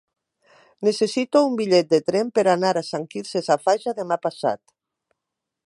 Necessito un bitllet de tren per anar a Sant Quirze Safaja demà passat.